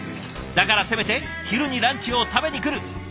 だからせめて昼にランチを食べに来る。